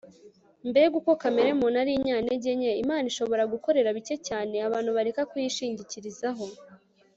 mbega uko kamere muntu ari inyantege nke! imana ishobora gukorera bike cyane abantu bareka kuyishingikirizaho